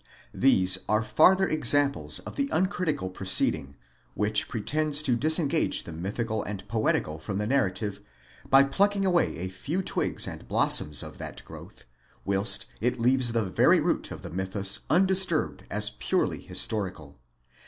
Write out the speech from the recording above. ® These are farther examples of the uncritical proceeding which pretends to disengage the mythical and poetical from the narrative, by plucking away a few twigs and blossoms of that growth, whilst it leaves the very root of the mythus undisturbed as purely historical.